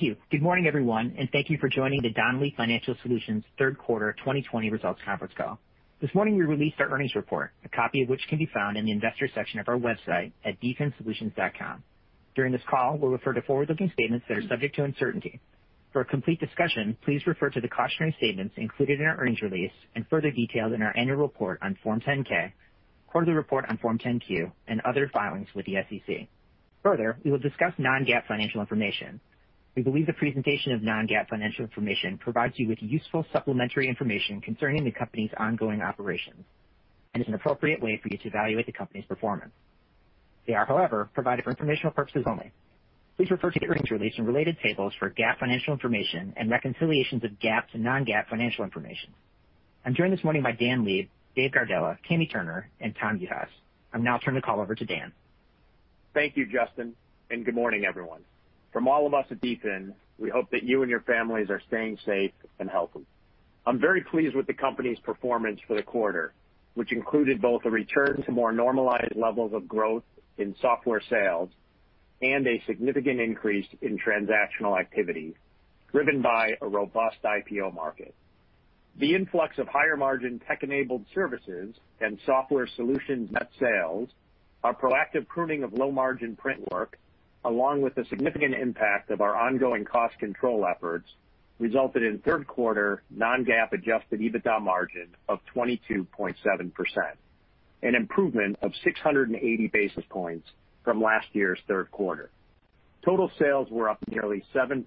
Thank you. Good morning, everyone, and thank you for joining the Donnelley Financial Solutions third quarter 2020 results conference call. This morning, we released our earnings report, a copy of which can be found in the Investors section of our website at dfinsolutions.com. During this call, we'll refer to forward-looking statements that are subject to uncertainty. For a complete discussion, please refer to the cautionary statements included in our earnings release and further detailed in our annual report on Form 10-K, quarterly report on Form 10-Q, and other filings with the SEC. Further, we will discuss non-GAAP financial information. We believe the presentation of non-GAAP financial information provides you with useful supplementary information concerning the company's ongoing operations and is an appropriate way for you to evaluate the company's performance. They are, however, provided for informational purposes only. Please refer to the earnings release and related tables for GAAP financial information and reconciliations of GAAP to non-GAAP financial information. I'm joined this morning by Dan Leib, Dave Gardella, Kami Turner, and Tom Juhase. I'll now turn the call over to Dan. Thank you, Justin, and good morning, everyone. From all of us at DFIN, we hope that you and your families are staying safe and healthy. I'm very pleased with the company's performance for the quarter, which included both a return to more normalized levels of growth in software sales and a significant increase in transactional activity, driven by a robust IPO market. The influx of higher-margin tech-enabled services and software solutions net sales, our proactive pruning of low-margin print work, along with the significant impact of our ongoing cost control efforts, resulted in third quarter non-GAAP adjusted EBITDA margin of 22.7%, an improvement of 680 basis points from last year's third quarter. Total sales were up nearly 7%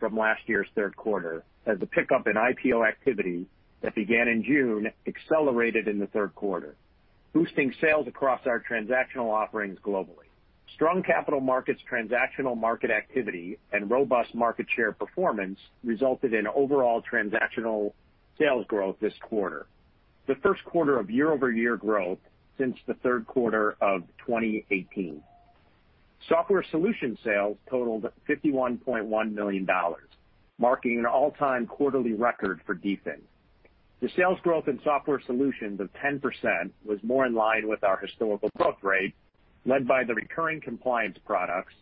from last year's third quarter as the pickup in IPO activity that began in June accelerated in the third quarter, boosting sales across our transactional offerings globally. Strong capital markets transactional market activity and robust market share performance resulted in overall transactional sales growth this quarter, the first quarter of year-over-year growth since the third quarter of 2018. Software solution sales totaled $51.1 million, marking an all-time quarterly record for DFIN. The sales growth in software solutions of 10% was more in line with our historical growth rate, led by the recurring compliance products,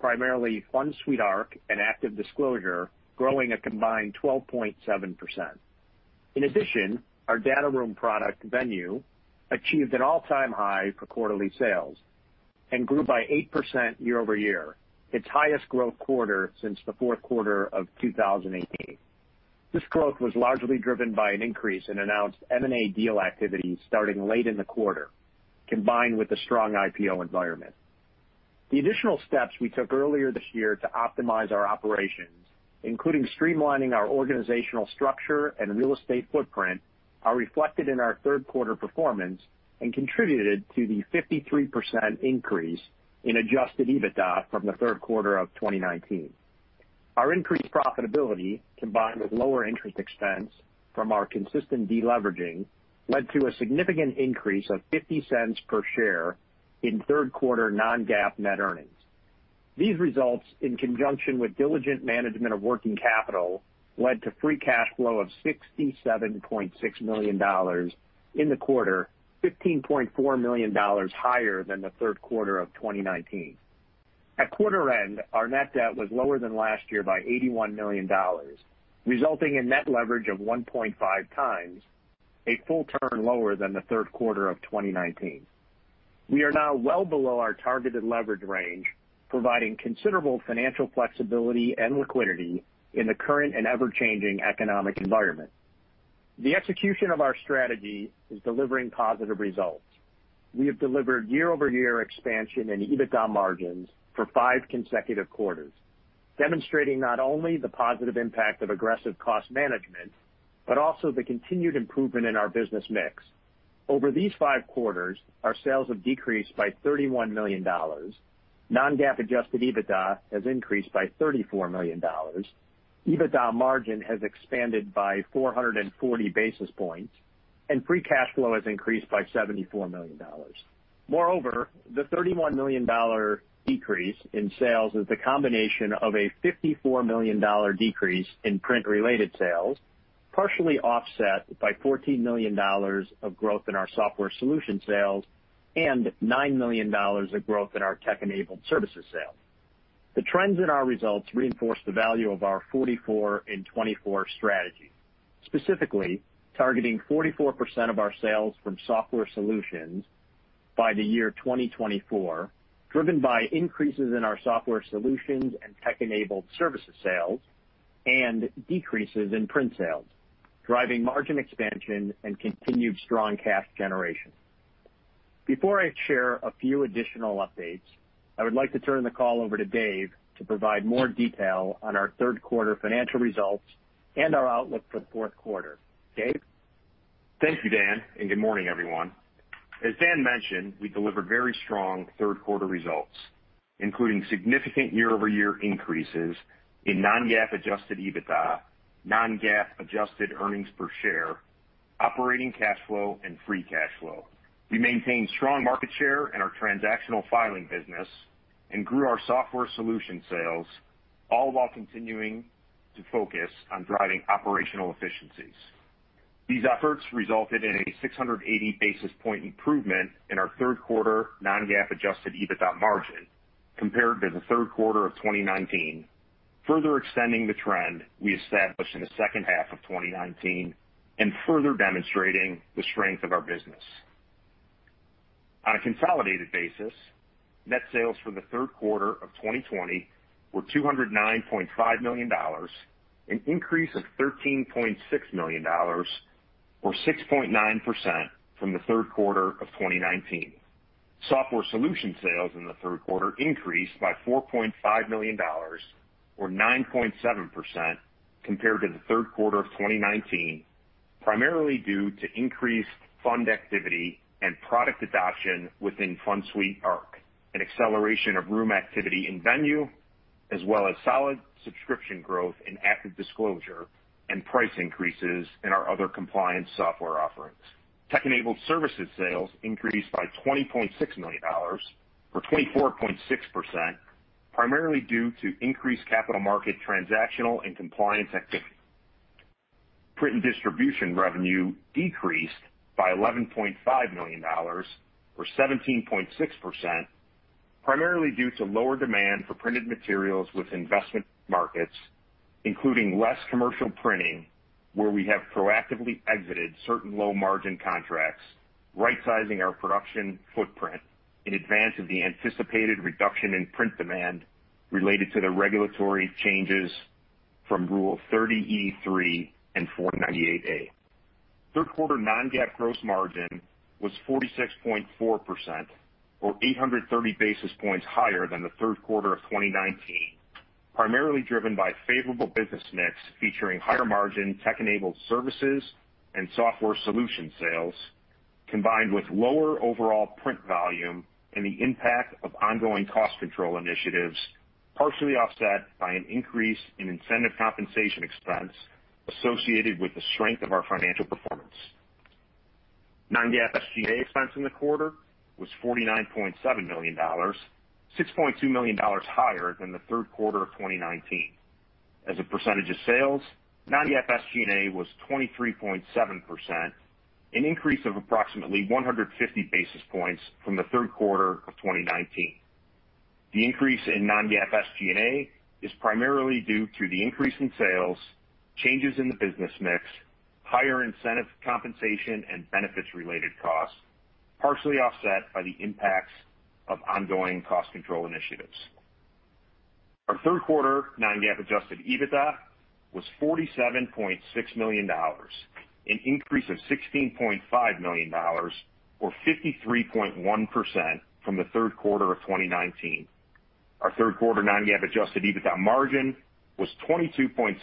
primarily FundSuite Arc and ActiveDisclosure, growing a combined 12.7%. In addition, our data room product, Venue, achieved an all-time high for quarterly sales and grew by 8% year-over-year, its highest growth quarter since the fourth quarter of 2018. This growth was largely driven by an increase in announced M&A deal activity starting late in the quarter, combined with a strong IPO environment. The additional steps we took earlier this year to optimize our operations, including streamlining our organizational structure and real estate footprint, are reflected in our third-quarter performance and contributed to the 53% increase in adjusted EBITDA from the third quarter of 2019. Our increased profitability, combined with lower interest expense from our consistent deleveraging, led to a significant increase of $0.50 per share in third quarter non-GAAP net earnings. These results, in conjunction with diligent management of working capital, led to free cash flow of $67.6 million in the quarter, $15.4 million higher than the third quarter of 2019. At quarter end, our net debt was lower than last year by $81 million, resulting in net leverage of 1.5x, a full turn lower than the third quarter of 2019. We are now well below our targeted leverage range, providing considerable financial flexibility and liquidity in the current and ever-changing economic environment. The execution of our strategy is delivering positive results. We have delivered year-over-year expansion in EBITDA margins for five consecutive quarters, demonstrating not only the positive impact of aggressive cost management but also the continued improvement in our business mix. Over these five quarters, our sales have decreased by $31 million, non-GAAP adjusted EBITDA has increased by $34 million, EBITDA margin has expanded by 440 basis points, and free cash flow has increased by $74 million. Moreover, the $31 million decrease in sales is the combination of a $54 million decrease in print-related sales, partially offset by $14 million of growth in our software solution sales and $9 million of growth in our tech-enabled services sales. The trends in our results reinforce the value of our 44 in 2024 strategy, specifically targeting 44% of our sales from software solutions by the year 2024, driven by increases in our software solutions and tech-enabled services sales and decreases in print sales, driving margin expansion and continued strong cash generation. Before I share a few additional updates, I would like to turn the call over to Dave to provide more detail on our third-quarter financial results and our outlook for the fourth quarter. Dave? Thank you, Dan, and good morning, everyone. As Dan mentioned, we delivered very strong third-quarter results, including significant year-over-year increases in non-GAAP adjusted EBITDA, non-GAAP adjusted earnings per share, operating cash flow, and free cash flow. We maintained strong market share in our transactional filing business and grew our software solution sales, all while continuing to focus on driving operational efficiencies. These efforts resulted in a 680 basis point improvement in our third quarter non-GAAP adjusted EBITDA margin compared to the third quarter of 2019, further extending the trend we established in the second half of 2019 and further demonstrating the strength of our business. On a consolidated basis, net sales for the third quarter of 2020 were $209.5 million, an increase of $13.6 million, or 6.9% from the third quarter of 2019. Software solution sales in the third quarter increased by $4.5 million or 9.7% compared to the third quarter of 2019, primarily due to increased fund activity and product adoption within FundSuite Arc, an acceleration of room activity in Venue, as well as solid subscription growth in ActiveDisclosure and price increases in our other compliance software offerings. Tech-enabled services sales increased by $20.6 million or 24.6%, primarily due to increased capital market transactional and compliance activity. Print and distribution revenue decreased by $11.5 million or 17.6%, primarily due to lower demand for printed materials with investment markets, including less commercial printing, where we have proactively exited certain low-margin contracts, rightsizing our production footprint in advance of the anticipated reduction in print demand related to the regulatory changes from Rule 30e-3 and Rule 498A. Third quarter non-GAAP gross margin was 46.4%, or 830 basis points higher than the third quarter of 2019, primarily driven by favorable business mix featuring higher margin tech-enabled services and software solution sales, combined with lower overall print volume and the impact of ongoing cost control initiatives, partially offset by an increase in incentive compensation expense associated with the strength of our financial performance. Non-GAAP SG&A expense in the quarter was $49.7 million, $6.2 million higher than the third quarter of 2019. As a percentage of sales, non-GAAP SG&A was 23.7%, an increase of approximately 150 basis points from the third quarter of 2019. The increase in non-GAAP SG&A is primarily due to the increase in sales, changes in the business mix, higher incentive compensation, and benefits-related costs, partially offset by the impacts of ongoing cost control initiatives. Our third quarter non-GAAP adjusted EBITDA was $47.6 million, an increase of $16.5 million or 53.1% from the third quarter of 2019. Our third quarter non-GAAP adjusted EBITDA margin was 22.7%,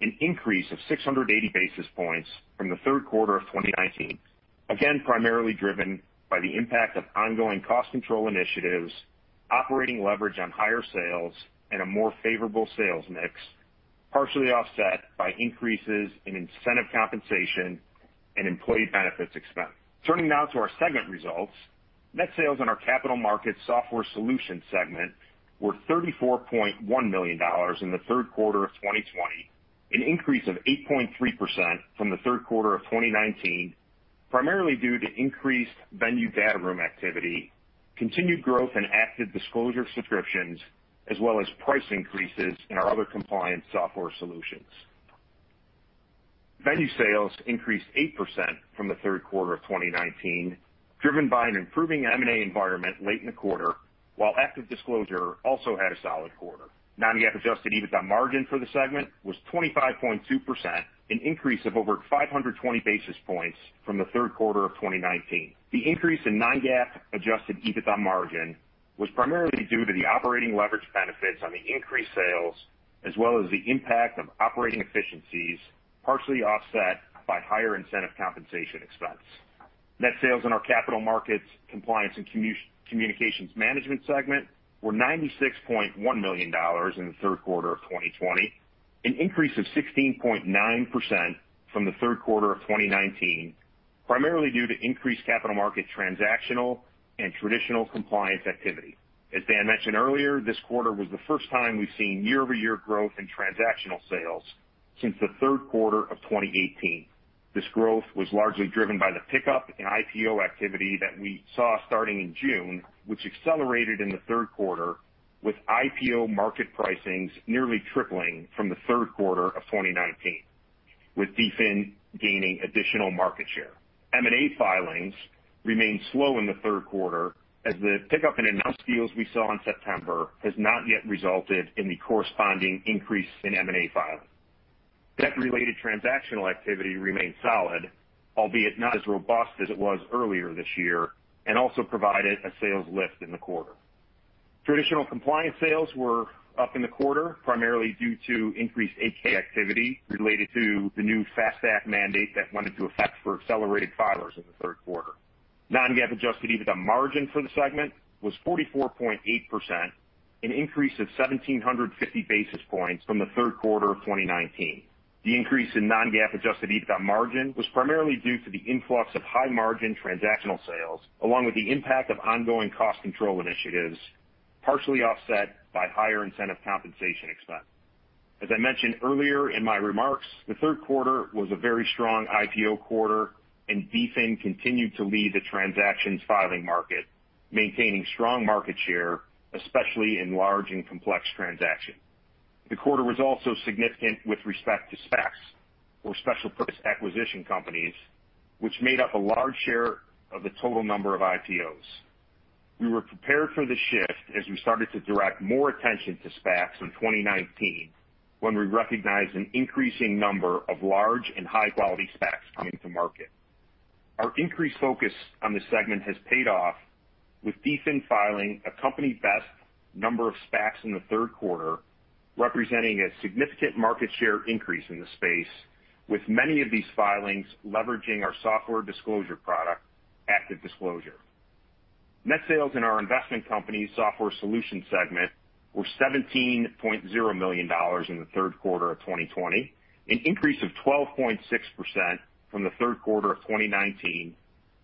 an increase of 680 basis points from the third quarter of 2019. Again, primarily driven by the impact of ongoing cost control initiatives, operating leverage on higher sales, and a more favorable sales mix, partially offset by increases in incentive compensation and employee benefits expense. Turning now to our segment results. Net sales in our capital market software solutions segment were $34.1 million in the third quarter of 2020, an increase of 8.3% from the third quarter of 2019, primarily due to increased Venue Data Room activity, continued growth in ActiveDisclosure subscriptions, as well as price increases in our other compliance software solutions. Venue sales increased 8% from the third quarter of 2019, driven by an improving M&A environment late in the quarter, while ActiveDisclosure also had a solid quarter. Non-GAAP adjusted EBITDA margin for the segment was 25.2%, an increase of over 520 basis points from the third quarter of 2019. The increase in Non-GAAP adjusted EBITDA margin was primarily due to the operating leverage benefits on the increased sales, as well as the impact of operating efficiencies, partially offset by higher incentive compensation expense. Net sales in our Capital Markets, Compliance and Communications Management segment were $96.1 million in the third quarter of 2020, an increase of 16.9% from the third quarter of 2019, primarily due to increased capital market transactional and traditional compliance activity. As Dan mentioned earlier, this quarter was the first time we've seen year-over-year growth in transactional sales since the third quarter of 2018. This growth was largely driven by the pickup in IPO activity that we saw starting in June, which accelerated in the third quarter with IPO market pricings nearly tripling from the third quarter of 2019, with DFIN gaining additional market share. M&A filings remained slow in the third quarter as the pickup in announced deals we saw in September has not yet resulted in the corresponding increase in M&A filings. Debt-related transactional activity remained solid, albeit not as robust as it was earlier this year, and also provided a sales lift in the quarter. Traditional compliance sales were up in the quarter, primarily due to increased 8-K activity related to the new FAST Act mandate that went into effect for accelerated filers in the third quarter. Non-GAAP adjusted EBITDA margin for the segment was 44.8%, an increase of 1,750 basis points from the third quarter of 2019. The increase in non-GAAP adjusted EBITDA margin was primarily due to the influx of high-margin transactional sales, along with the impact of ongoing cost control initiatives, partially offset by higher incentive compensation expense. As I mentioned earlier in my remarks, the third quarter was a very strong IPO quarter, and DFIN continued to lead the transactions filing market, maintaining strong market share, especially in large and complex transactions. The quarter was also significant with respect to SPACs, or special purpose acquisition companies, which made up a large share of the total number of IPOs. We were prepared for the shift as we started to direct more attention to SPACs in 2019 when we recognized an increasing number of large and high-quality SPACs coming to market. Our increased focus on this segment has paid off, with DFIN filing a company-best number of SPACs in the third quarter, representing a significant market share increase in the space, with many of these filings leveraging our software disclosure product, ActiveDisclosure. Net sales in our Investment Company Software Solutions segment were $17.0 million in the third quarter of 2020, an increase of 12.6% from the third quarter of 2019,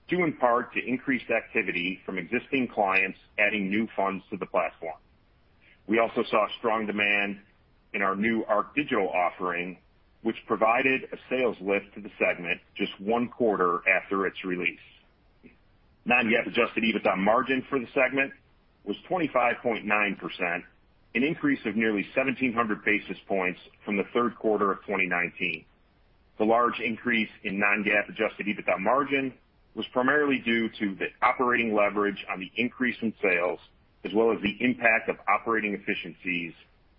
due in part to increased activity from existing clients adding new funds to the platform. We also saw strong demand in our new ArcDigital offering, which provided a sales lift to the segment just one quarter after its release. Non-GAAP adjusted EBITDA margin for the segment was 25.9%, an increase of nearly 1,700 basis points from the third quarter of 2019. The large increase in non-GAAP adjusted EBITDA margin was primarily due to the operating leverage on the increase in sales, as well as the impact of operating efficiencies,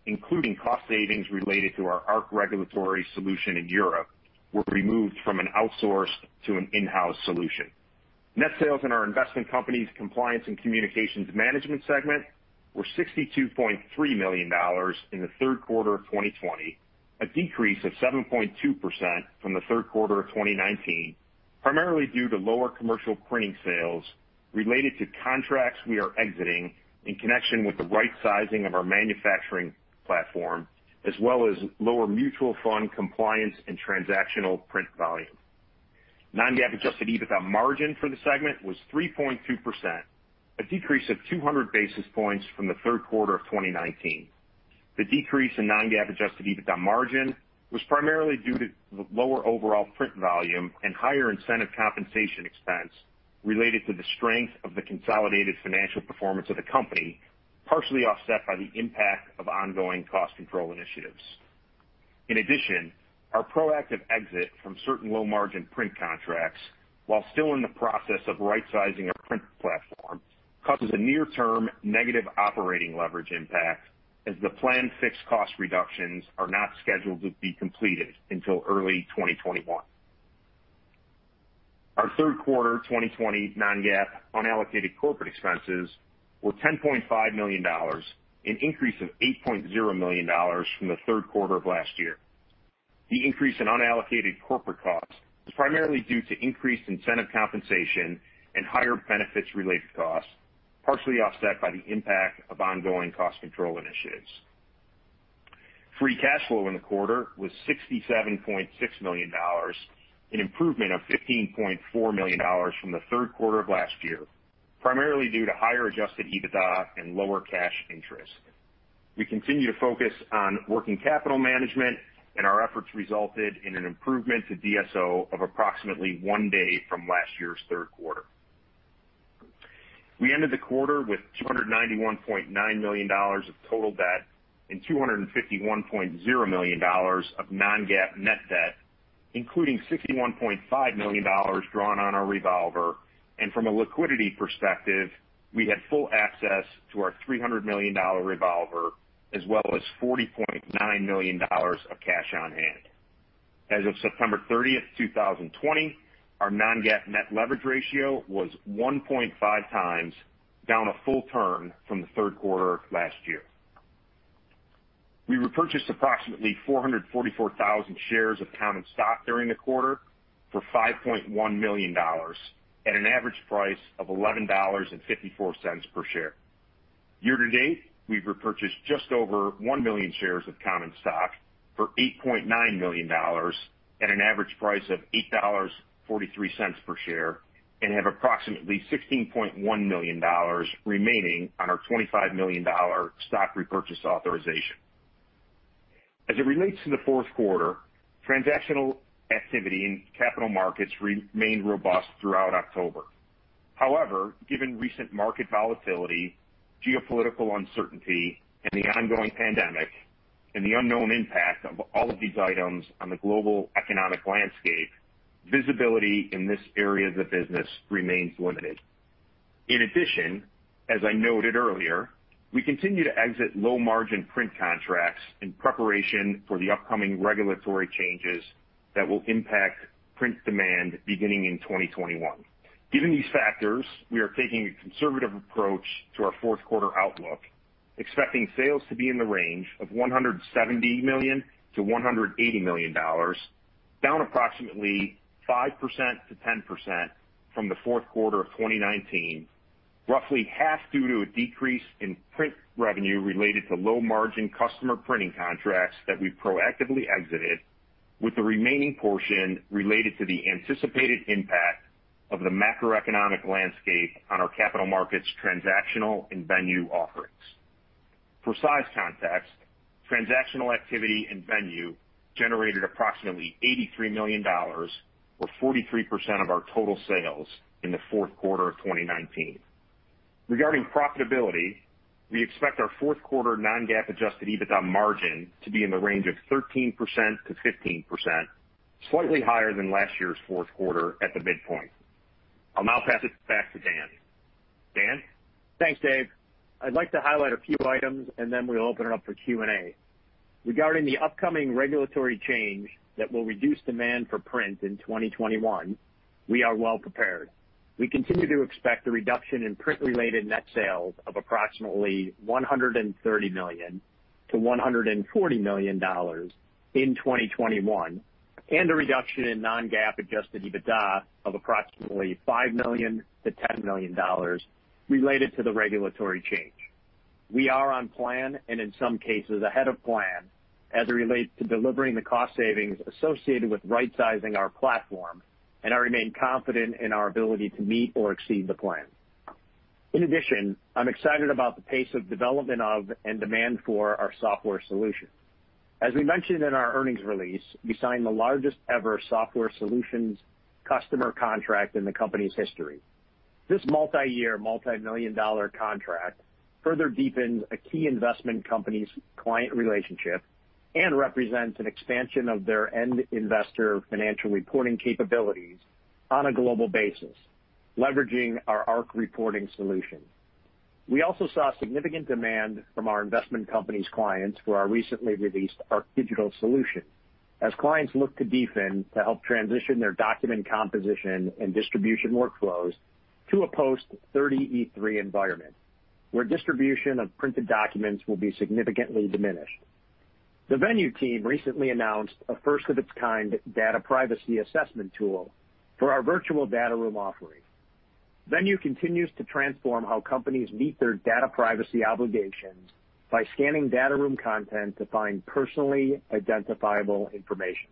including cost savings related to our ArcRegulatory solution in Europe, were removed from an outsourced to an in-house solution. Net sales in our Investment Company's Compliance and Communications Management segment were $62.3 million in the third quarter of 2020, a decrease of 7.2% from the third quarter of 2019, primarily due to lower commercial printing sales related to contracts we are exiting in connection with the right sizing of our manufacturing platform, as well as lower mutual fund compliance and transactional print volume. Non-GAAP adjusted EBITDA margin for the segment was 3.2%, a decrease of 200 basis points from the third quarter of 2019. The decrease in non-GAAP adjusted EBITDA margin was primarily due to lower overall print volume and higher incentive compensation expense related to the strength of the consolidated financial performance of the company, partially offset by the impact of ongoing cost control initiatives. In addition, our proactive exit from certain low-margin print contracts, while still in the process of rightsizing our print platform, causes a near-term negative operating leverage impact, as the planned fixed cost reductions are not scheduled to be completed until early 2021. Our third quarter 2020 non-GAAP unallocated corporate expenses were $10.5 million, an increase of $8.0 million from the third quarter of last year. The increase in unallocated corporate costs was primarily due to increased incentive compensation and higher benefits-related costs, partially offset by the impact of ongoing cost control initiatives. Free cash flow in the quarter was $67.6 million, an improvement of $15.4 million from the third quarter of last year, primarily due to higher adjusted EBITDA and lower cash interest. We continue to focus on working capital management, and our efforts resulted in an improvement to DSO of approximately one day from last year's third quarter. We ended the quarter with $291.9 million of total debt and $251.0 million of non-GAAP net debt, including $61.5 million drawn on our revolver. From a liquidity perspective, we had full access to our $300 million revolver as well as $40.9 million of cash on hand. As of September 30th, 2020, our non-GAAP net leverage ratio was 1.5x, down a full turn from the third quarter of last year. We repurchased approximately 444,000 shares of common stock during the quarter for $5.1 million at an average price of $11.54 per share. Year to date, we've repurchased just over 1 million shares of common stock for $8.9 million at an average price of $8.43 per share and have approximately $16.1 million remaining on our $25 million stock repurchase authorization. As it relates to the fourth quarter, transactional activity in capital markets remained robust throughout October. However, given recent market volatility, geopolitical uncertainty, and the ongoing pandemic, and the unknown impact of all of these items on the global economic landscape, visibility in this area of the business remains limited. In addition, as I noted earlier, we continue to exit low-margin print contracts in preparation for the upcoming regulatory changes that will impact print demand beginning in 2021. Given these factors, we are taking a conservative approach to our fourth quarter outlook, expecting sales to be in the range of $170 million-$180 million, down approximately 5%-10% from the fourth quarter of 2019. Roughly half due to a decrease in print revenue related to low-margin customer printing contracts that we proactively exited. With the remaining portion related to the anticipated impact of the macroeconomic landscape on our capital markets transactional and Venue offerings. For size context, transactional activity and Venue generated approximately $83 million or 43% of our total sales in the fourth quarter of 2019. Regarding profitability, we expect our fourth quarter non-GAAP adjusted EBITDA margin to be in the range of 13%-15%, slightly higher than last year's fourth quarter at the midpoint. I'll now pass it back to Dan. Dan? Thanks, Dave. I'd like to highlight a few items and then we'll open it up for Q&A. Regarding the upcoming regulatory change that will reduce demand for print in 2021, we are well prepared. We continue to expect a reduction in print-related net sales of approximately $130 million-$140 million in 2021, and a reduction in non-GAAP adjusted EBITDA of approximately $5 million-$10 million related to the regulatory change. We are on plan, and in some cases ahead of plan, as it relates to delivering the cost savings associated with right-sizing our platform, and I remain confident in our ability to meet or exceed the plan. In addition, I'm excited about the pace of development of and demand for our software solutions. As we mentioned in our earnings release, we signed the largest-ever software solutions customer contract in the company's history. This multi-year, multimillion-dollar contract further deepens a key investment company's client relationship and represents an expansion of their end investor financial reporting capabilities on a global basis, leveraging our ArcReporting solution. We also saw significant demand from our investment company's clients for our recently released ArcDigital solution, as clients look to DFIN to help transition their document composition and distribution workflows to a post 30e-3 environment, where distribution of printed documents will be significantly diminished. The Venue team recently announced a first-of-its-kind data privacy assessment tool for our virtual data room offering. Venue continues to transform how companies meet their data privacy obligations by scanning data room content to find personally identifiable information.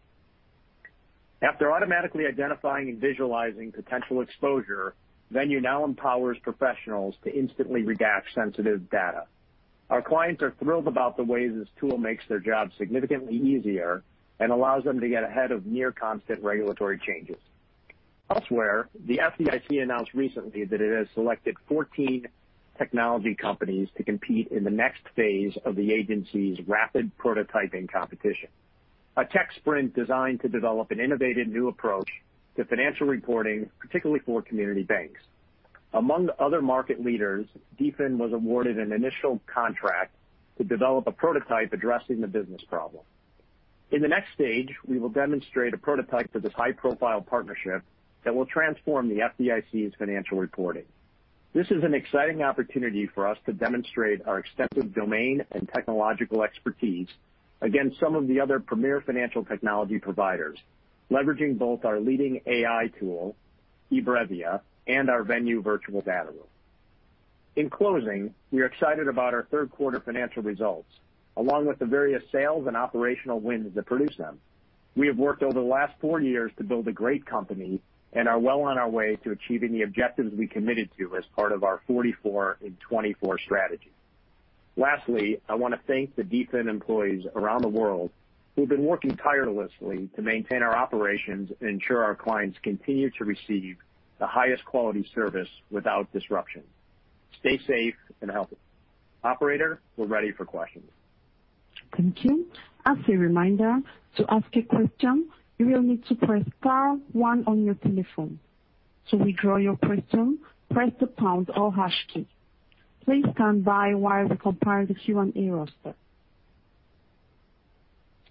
After automatically identifying and visualizing potential exposure, Venue now empowers professionals to instantly redact sensitive data. Our clients are thrilled about the way this tool makes their job significantly easier and allows them to get ahead of near-constant regulatory changes. Elsewhere, the FDIC announced recently that it has selected 14 technology companies to compete in the next phase of the agency's rapid prototyping competition, a tech sprint designed to develop an innovative new approach to financial reporting, particularly for community banks. Among other market leaders, DFIN was awarded an initial contract to develop a prototype addressing the business problem. In the next stage, we will demonstrate a prototype for this high-profile partnership that will transform the FDIC's financial reporting. This is an exciting opportunity for us to demonstrate our extensive domain and technological expertise against some of the other premier financial technology providers, leveraging both our leading AI tool, eBrevia, and our Venue virtual data room. In closing, we are excited about our third quarter financial results, along with the various sales and operational wins that produce them. We have worked over the last four years to build a great company and are well on our way to achieving the objectives we committed to as part of our 44 in 24 strategy. Lastly, I want to thank the DFIN employees around the world who've been working tirelessly to maintain our operations and ensure our clients continue to receive the highest quality service without disruption. Stay safe and healthy. Operator, we're ready for questions. Thank you. As a reminder, to ask a question, you will need to press star one on your telephone. To withdraw your question, press the pound or hash key. Please stand by while we compile the Q&A roster.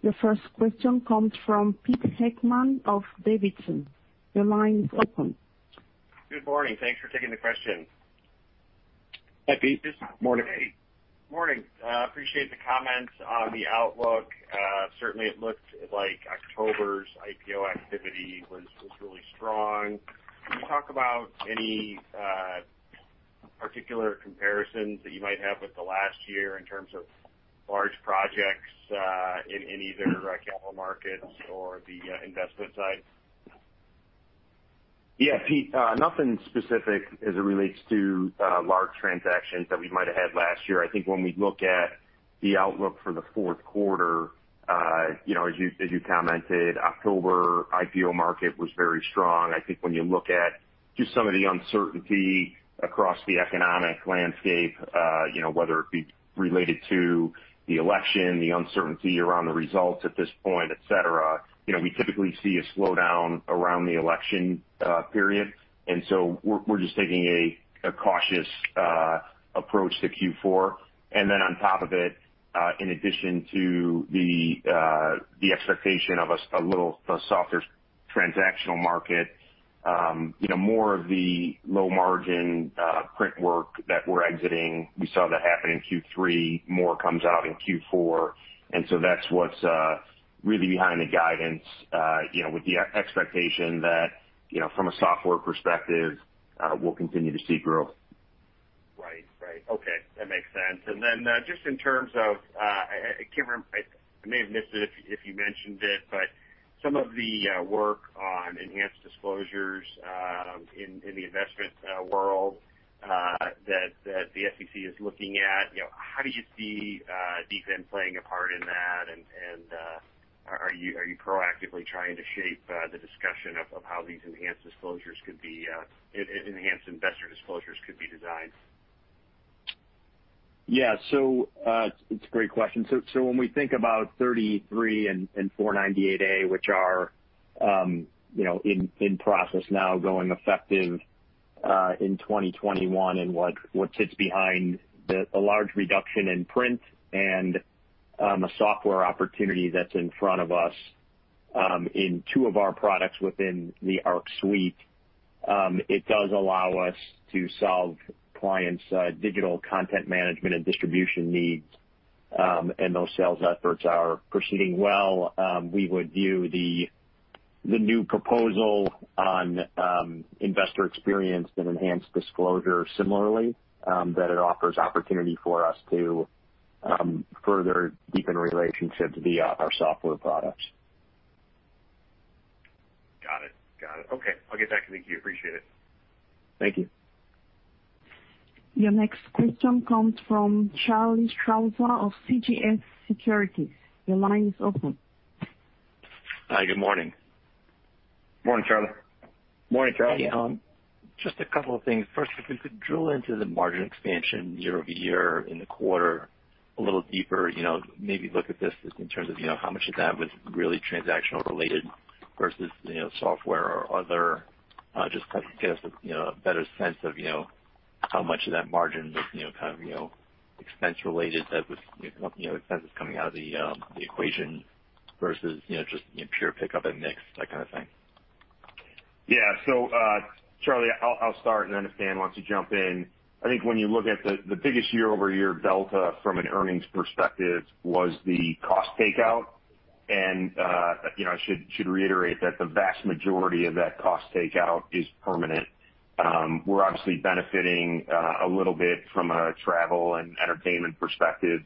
Your first question comes from Peter Heckmann of Davidson. Your line is open. Good morning. Thanks for taking the question. Hi, Pete. Morning. Morning. Appreciate the comments on the outlook. It looks like October's IPO activity was really strong. Can you talk about any particular comparisons that you might have with the last year in terms of large projects, in either capital markets or the investment side? Yeah, Pete. Nothing specific as it relates to large transactions that we might have had last year. I think when we look at the outlook for the fourth quarter, as you commented, October IPO market was very strong. I think when you look at just some of the uncertainty across the economic landscape, whether it be related to the election, the uncertainty around the results at this point, et cetera, we typically see a slowdown around the election period. We're just taking a cautious approach to Q4. On top of it, in addition to the expectation of a little softer transactional market, more of the low-margin print work that we're exiting, we saw that happen in Q3, more comes out in Q4. That's what's really behind the guidance, with the expectation that from a software perspective, we'll continue to see growth. Right. Okay. That makes sense. Then just in terms of, I can't remember, I may have missed it if you mentioned it, but some of the work on enhanced disclosures in the investment world that the SEC is looking at, how do you see DFIN playing a part in that? Are you proactively trying to shape the discussion of how these enhanced investor disclosures could be designed? Yeah. It's a great question. When we think about Rule 30e-3 and 498A, which are in process now, going effective in 2021, and what sits behind a large reduction in print and a software opportunity that's in front of us in two of our products within the Arc Suite. It does allow us to solve clients' digital content management and distribution needs, and those sales efforts are proceeding well. We would view the new proposal on investor experience and enhanced disclosure similarly, that it offers opportunity for us to further deepen relationships via our software products. Got it. Okay. I'll get back to queue. Appreciate it. Thank you. Your next question comes from Charles Strauzer of CJS Securities. Your line is open. Hi, good morning. Morning, Charlie. Yeah. Just a couple of things. First, if we could drill into the margin expansion year-over-year in the quarter a little deeper. Maybe look at this in terms of how much of that was really transactional related versus software or other. Just kind of to get us a better sense of how much of that margin was kind of expense related that was expenses coming out of the equation versus just pure pickup and mix, that kind of thing. Yeah. Charlie, I'll start and then Dan, why don't you jump in. I think when you look at the biggest year-over-year delta from an earnings perspective was the cost takeout. I should reiterate that the vast majority of that cost takeout is permanent. We're obviously benefiting a little bit from a travel and entertainment perspective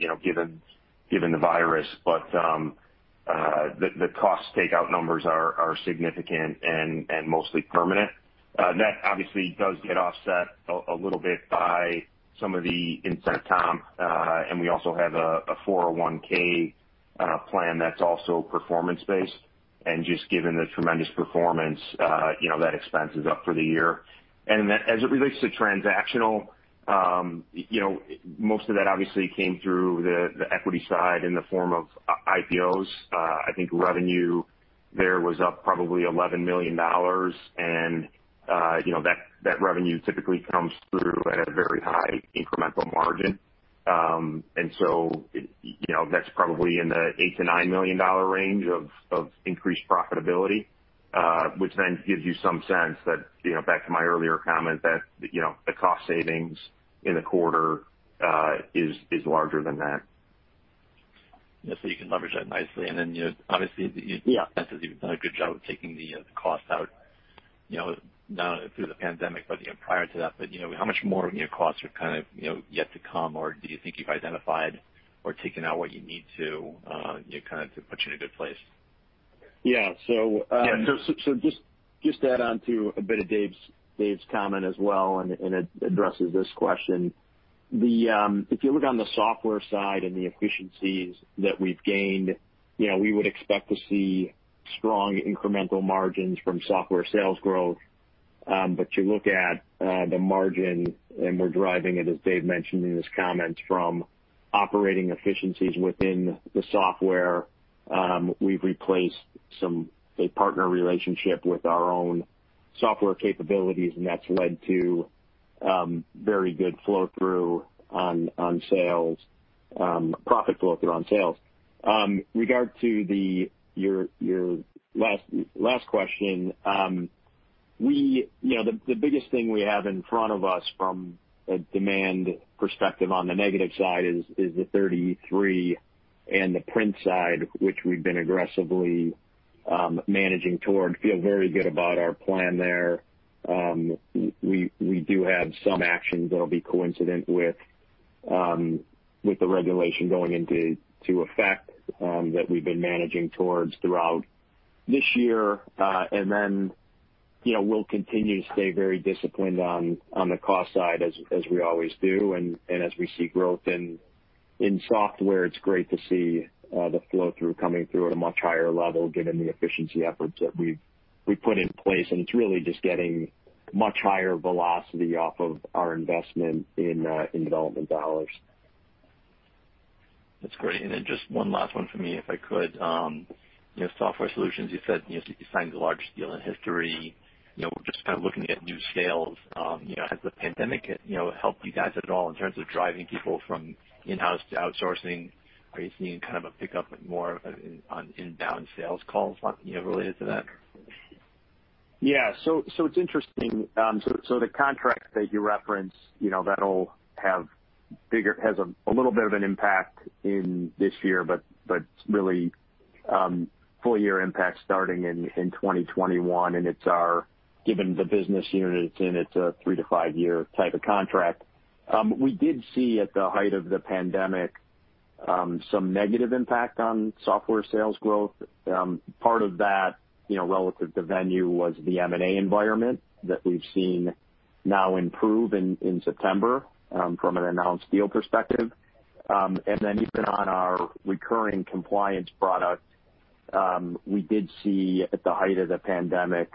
given the virus. The cost takeout numbers are significant and mostly permanent. That obviously does get offset a little bit by some of the incentive comp. We also have a 401(k) plan that's also performance-based. Just given the tremendous performance, that expense is up for the year. As it relates to transactional, most of that obviously came through the equity side in the form of IPOs. I think revenue there was up probably $11 million. That revenue typically comes through at a very high incremental margin. That's probably in the $8 million-$9 million range of increased profitability, which then gives you some sense that, back to my earlier comment that, the cost savings in the quarter is larger than that. Yeah. You can leverage that nicely. Obviously- Yeah. You've done a good job of taking the cost out, not through the pandemic, but prior to that. How much more of your costs are kind of yet to come, or do you think you've identified or taken out what you need to, kind of to put you in a good place? Yeah. Just add on to a bit of Dave's comment as well, and it addresses this question. If you look on the software side and the efficiencies that we've gained, we would expect to see strong incremental margins from software sales growth. You look at the margin, and we're driving it, as Dave mentioned in his comments, from operating efficiencies within the software. We've replaced a partner relationship with our own software capabilities, and that's led to very good flow through on sales, profit flow through on sales. Regarding your last question, the biggest thing we have in front of us from a demand perspective on the negative side is the 30e-3 and the print side, which we've been aggressively managing toward. Feel very good about our plan there. We do have some actions that'll be coincident with the regulation going into effect, that we've been managing towards throughout this year. We'll continue to stay very disciplined on the cost side as we always do, and as we see growth in software. It's great to see the flow-through coming through at a much higher level given the efficiency efforts that we've put in place. It's really just getting much higher velocity off of our investment in development dollars. That's great. Just one last one for me, if I could. Software Solutions, you said you signed the largest deal in history. Just kind of looking at new sales, has the pandemic helped you guys at all in terms of driving people from in-house to outsourcing? Are you seeing kind of a pickup more on inbound sales calls related to that? It's interesting. The contract that you referenced has a little bit of an impact in this year, but really full-year impact starting in 2021. Given the business unit it's in, it's a three-to-five year type of contract. We did see at the height of the pandemic, some negative impact on software sales growth. Part of that, relative to Venue, was the M&A environment that we've seen now improve in September from an announced deal perspective. Even on our recurring compliance product, we did see at the height of the pandemic,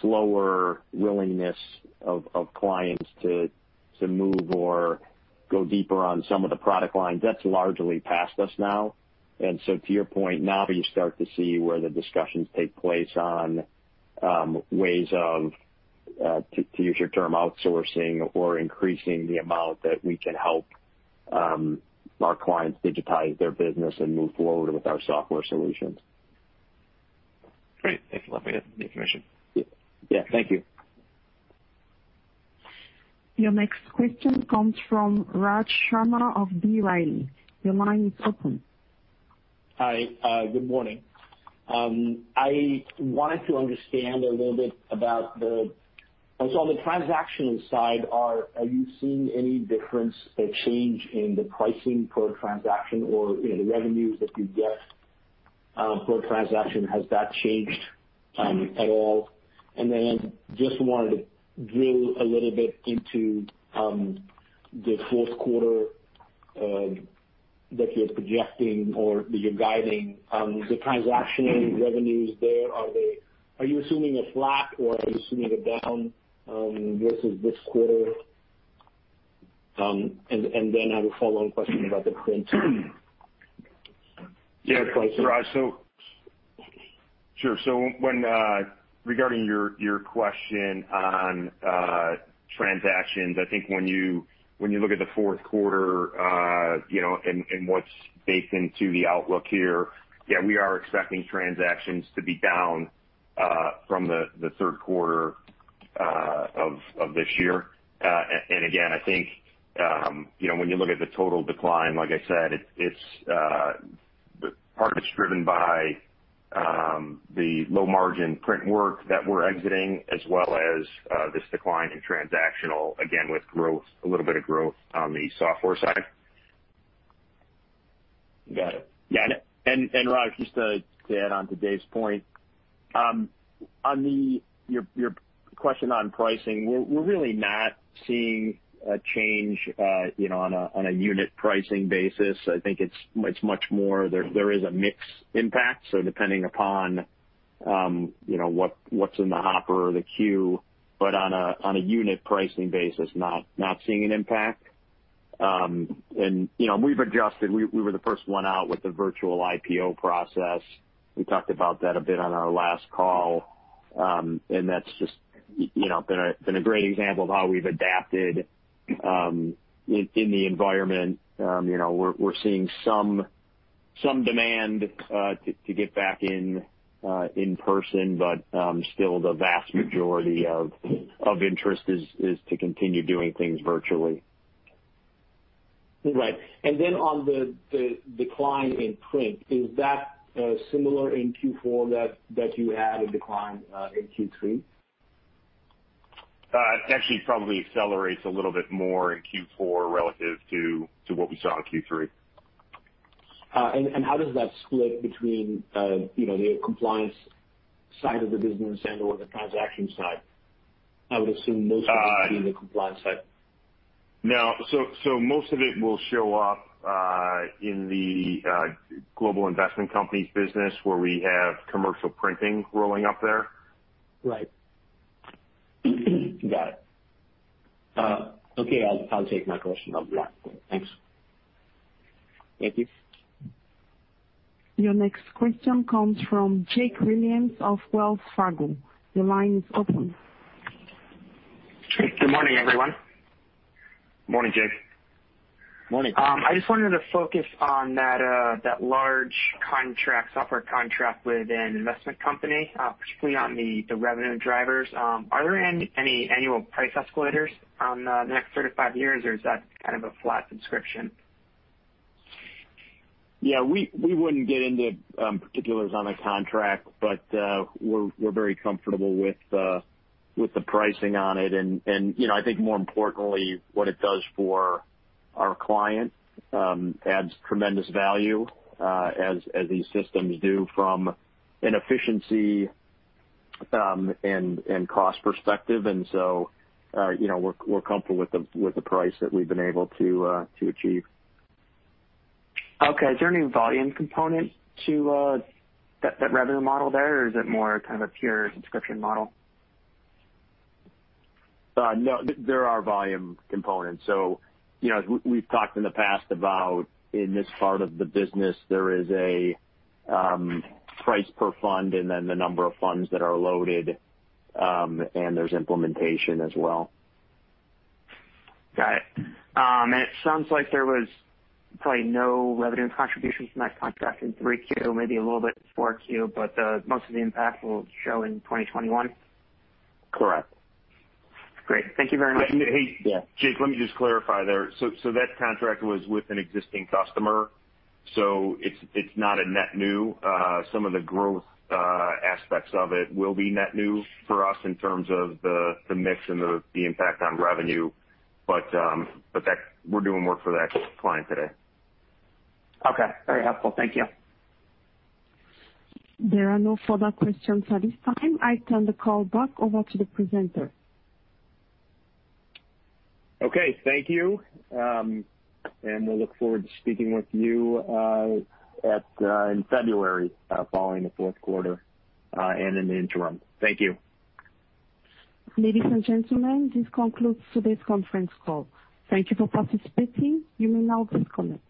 slower willingness of clients to move or go deeper on some of the product lines. That's largely past us now. To your point, now you start to see where the discussions take place on ways of, to use your term, outsourcing or increasing the amount that we can help our clients digitize their business and move forward with our software solutions. Great. Thank you. Let me get the information. Yeah. Thank you. Your next question comes from Raj Sharma of B. Riley. Your line is open. Hi. Good morning. I wanted to understand a little bit about on the transactional side, are you seeing any difference, a change in the pricing per transaction or the revenues that you get per transaction, has that changed at all? Just wanted to drill a little bit into the fourth quarter that you're projecting or that you're guiding. The transactional revenues there, are you assuming a flat or are you assuming a down versus this quarter? I have a follow-on question about the print. Yeah, Raj. Sure. Regarding your question on transactions, I think when you look at the fourth quarter, and what's baked into the outlook here, we are expecting transactions to be down from the third quarter of this year. Again, I think when you look at the total decline, like I said, part of it's driven by the low-margin print work that we're exiting as well as this decline in transactional, again, with a little bit of growth on the software side. Got it. Yeah. Raj, just to add on to Dave's point. On your question on pricing, we're really not seeing a change on a unit pricing basis. I think it's much more, there is a mix impact. Depending upon what's in the hopper or the queue. On a unit pricing basis, not seeing an impact. We've adjusted. We were the first one out with the virtual IPO process. We talked about that a bit on our last call. That's just been a great example of how we've adapted in the environment. We're seeing some demand to get back in person. Still the vast majority of interest is to continue doing things virtually. Right. Then on the decline in print, is that similar in Q4 that you had a decline in Q3? It actually probably accelerates a little bit more in Q4 relative to what we saw in Q3. How does that split between the compliance side of the business and/or the transaction side? I would assume most of it would be in the compliance side. No. Most of it will show up in the global investment companies business where we have commercial printing growing up there. Right. Got it. Okay. I'll take my question off the air. Thanks. Thank you. Your next question comes from Jake Williams of Wells Fargo. Your line is open. Good morning, everyone. Morning, Jake. Morning. I just wanted to focus on that large software contract with an investment company, particularly on the revenue drivers. Are there any annual price escalators on the next 35 years, or is that kind of a flat subscription? Yeah, we wouldn't get into particulars on the contract, but we're very comfortable with the pricing on it. I think more importantly, what it does for our client adds tremendous value as these systems do from an efficiency and cost perspective. So, we're comfortable with the price that we've been able to achieve. Okay. Is there any volume component to that revenue model there, or is it more kind of a pure subscription model? No, there are volume components. As we've talked in the past about in this part of the business, there is a price per fund and then the number of funds that are loaded, and there's implementation as well. Got it. It sounds like there was probably no revenue contribution from that contract in 3Q, maybe a little bit in 4Q, but most of the impact will show in 2021? Correct. Great. Thank you very much. Hey- Yeah. Jake, let me just clarify there. That contract was with an existing customer, so it's not a net new. Some of the growth aspects of it will be net new for us in terms of the mix and the impact on revenue. We're doing work for that client today. Okay. Very helpful. Thank you. There are no further questions at this time. I turn the call back over to the presenter. Okay. Thank you. We'll look forward to speaking with you in February following the fourth quarter and in the interim. Thank you. Ladies and gentlemen, this concludes today's conference call. Thank you for participating. You may now disconnect.